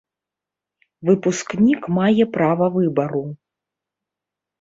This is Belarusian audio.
Выпускнік мае права выбару.